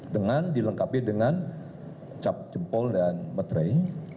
dengan dilengkapi dengan cap jempol dan materai